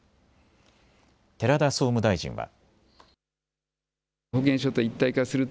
寺田総務大臣は。